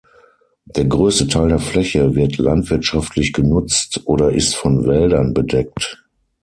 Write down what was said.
Der größte Teil der Fläche wird landwirtschaftlich genutzt oder ist von Wäldern bedeckt.